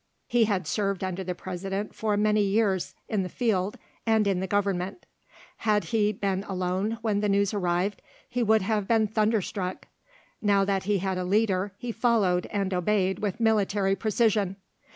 He had served under the President for many years in the field and in the Government. Had he been alone when the news arrived, he would have been thunderstruck; now that he had a leader he followed and obeyed with military precision.